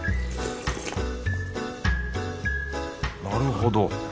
なるほど。